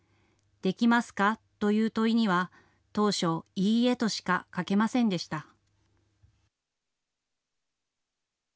できますか？という問いには当初、いいえとしか書けませんでした。